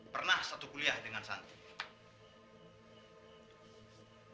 pernah satu kuliah dengan santri